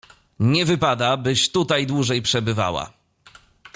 Nie wypada, byś tutaj dłużej przebywała!